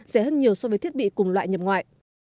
rẻ hơn nhiều so với thiết bị cùng loại nhập ngoại